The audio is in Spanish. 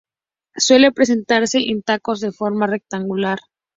Suele presentarse en tacos de forma rectangular.